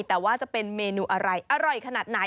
แต่ว่าจะเป็นเมนูอะไรอร่อยขนาดไหน